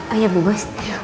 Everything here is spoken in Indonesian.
oh ya bu bos